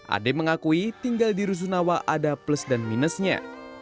ade mengakui tinggal di rusunawa ada plus dan minusnya